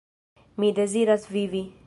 Mi deziras vivi.